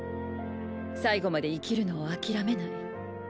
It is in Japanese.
最後まで生きるのを諦めない